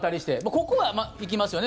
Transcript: ここは行きますよね。